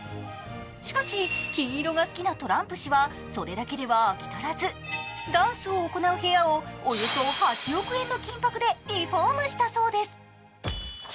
しかし金色が好きなトランプ氏はそれだけでは飽き足らずダンスを行う部屋をおよそ８億円の金ぱくでリフォームしたそうです。